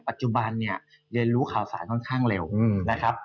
ปัจจุบันเนี่ยเรียนรู้ข่าวสารค่อนข้างเร็วนะครับ